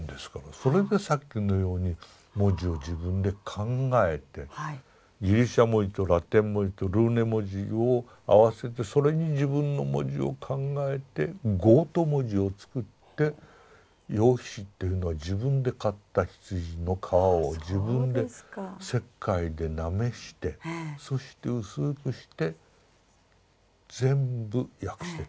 それでさっきのように文字を自分で考えてギリシャ文字とラテン文字とルーネ文字を合わせてそれに自分の文字を考えてゴート文字を作って用紙っていうのは自分で刈った羊の皮を自分で石灰でなめしてそして薄くして全部訳してったんです。